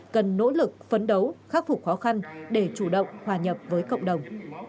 cần nỗ lực phấn đấu khắc phục khó khăn để chủ động hòa nhập với cộng đồng